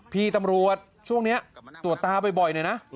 พี่ตำรวจช่วงนี้ตรวจตาบ่อยหน่อยนะ